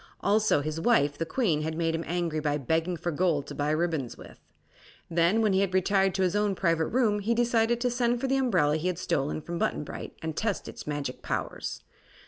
Also his wife, the Queen, had made him angry by begging for gold to buy ribbons with. Then, when he had retired to his own private room, he decided to send for the umbrella he had stolen from Button Bright, and test its magic powers.